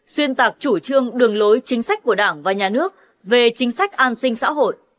xuyên tạc chủ trương đường lối chính sách của đảng và nhà nước về chính sách an sinh xã hội